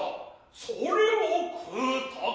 それを食うたか。